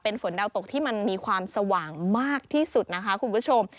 ฝนดาวตกที่มันมีความสว่างมากที่สุดนะคะคุณผู้ชม